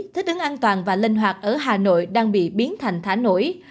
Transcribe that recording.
thích ứng an toàn và linh hoạt ở hà nội đang bị biến thành thả nổi